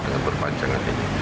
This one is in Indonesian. dengan perpanjangan ini